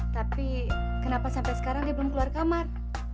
tapi kenapa sampai sekarang dia belum keluar kamar